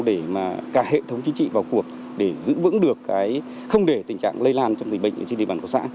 để mà cả hệ thống chính trị vào cuộc để giữ vững được không để tình trạng lây lan trong dịch bệnh trên địa bàn của xã